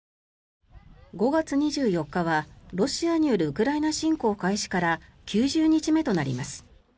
５月２４日はロシアによるウクライナ侵攻開始から９０日目となります。